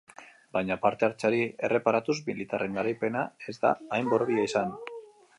Baina, parte hartzeari erreparatuz, militarren garaipena ez da hain borobila izan.